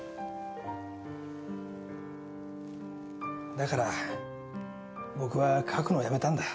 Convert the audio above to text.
だから僕は書くのをやめたんだ。